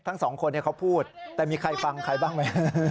ทั้งสองคนเขาพูดแต่มีใครฟังใครบ้างไหม